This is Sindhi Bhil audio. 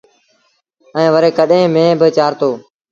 ائيٚݩ وري ڪڏهيݩ ميݩهݩ با چآرتو۔